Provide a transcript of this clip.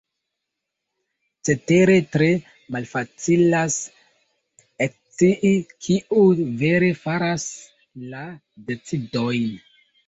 Cetere, tre malfacilas ekscii kiu vere faras la decidojn.